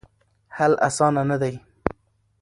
حل اسانه نه دی.